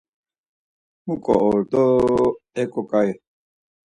Muǩo ordo, eǩo ǩai.